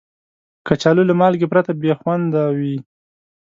کچالو له مالګې پرته بې خوند وي